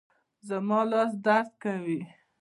زما لاس درد کوي